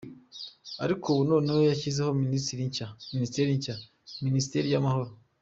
Ariko ubu noneho yashyizeho minisiteri nshya - minisiteri y'amahoro.